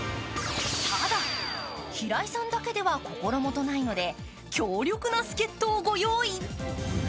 ただ、平井さんだけでは心もとないので、強力な助っとをご用意。